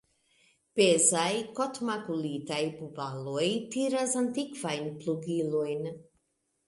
Pezaj kotmakulitaj bubaloj tiras antikvajn plugilojn.